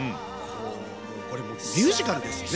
これもうミュージカルですよね